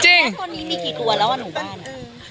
แล้วตอนนี้มีกี่ตัวแล้วอ่ะหนูบ้าน